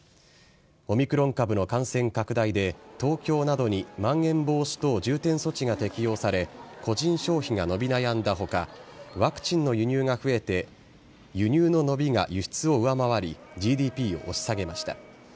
オミクロン株の感染拡大で東京などにまん延防止等重点措置が適用され個人消費が伸び悩んだ他ワクチンの輸入が増えて輸入の伸びが輸出を上回りＧＤＰを押し上げました。